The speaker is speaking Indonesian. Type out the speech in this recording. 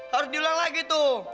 harus diulang lagi tuh